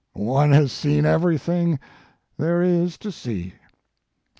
One has seen everything there is to see.